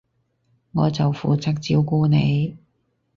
我就負責照顧你